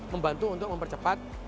membantu untuk mempercepat